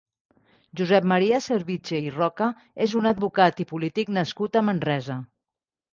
Josep Maria Servitje i Roca és un advocat i polític nascut a Manresa.